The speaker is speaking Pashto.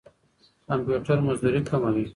کمپيوټر مزدوري کموي.